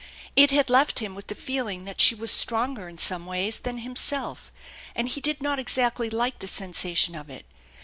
It had left him with the feeling that she was stronger in some ways than himself, and he did not exactly like the sensation of it.